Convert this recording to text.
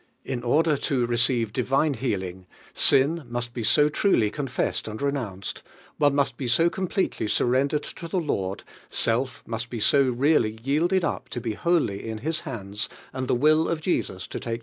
in order to receive Mw healing, sin must be so truly roll Fesseil and renounced, one musl lie si! completely snrrendered to Hie Lord, sell mnst be so really yielded lip to hj w1m>1 1j__jji His handsajidUiie will of Jesus to take